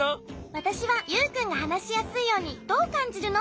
わたしはユウくんがはなしやすいように「どうかんじるの？」